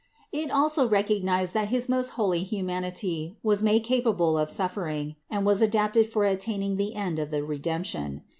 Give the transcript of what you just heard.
THE INCARNATION 119 It also recognized that his most holy humanity was made capable of suffering, and was adapted for attaining the end of the Redemption.